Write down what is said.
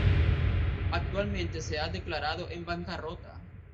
Actualmente se ha declarado en bancarrota.